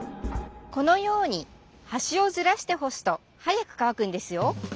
このように端をずらして干すと早く乾くんですよ。